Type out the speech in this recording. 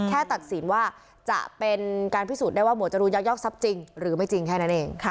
ตัดสินว่าจะเป็นการพิสูจน์ได้ว่าหวดจรูนยักยอกทรัพย์จริงหรือไม่จริงแค่นั้นเอง